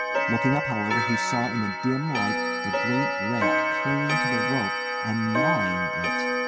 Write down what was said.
Looking up, however, he saw in the dim light the great rat clinging to the rope and gnawing it.